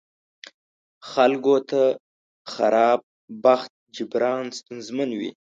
خلکو ته خراب بخت جبران ستونزمن وي.